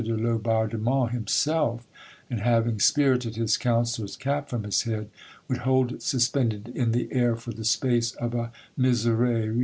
de Laubardemont himself, and, having spirited his councillor's cap from his head, would hold it suspended in the air for the space of a Misereye.